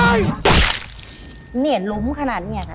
เหนียนลุ้มขนาดนี้อะค่ะ